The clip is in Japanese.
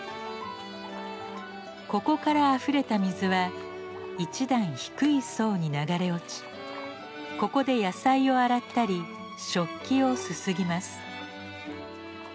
ここからあふれた水は一段低い槽に流れ落ちここで野菜を洗ったり食器をすすぎます。